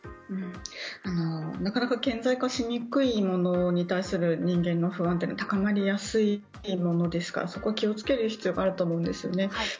なかなか顕在しにくいものに対する人間の不安というのは高まりやすいものですからそこを気をつける必要があると思うんですよね。